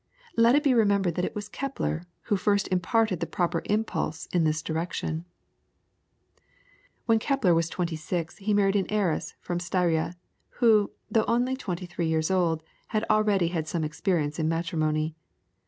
Let it be remembered that it was Kepler who first imparted the proper impulse in this direction. [PLATE: THE COMMEMORATION OF THE RUDOLPHINE TABLES.] When Kepler was twenty six he married an heiress from Styria, who, though only twenty three years old, had already had some experience in matrimony.